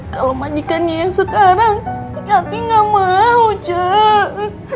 kalau majikan yang sekarang yati enggak mau cek